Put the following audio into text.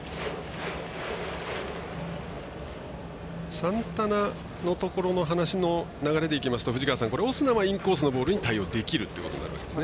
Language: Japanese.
サンタナのところの話の流れでいきますとオスナはインコースのボールに対応できるということですね。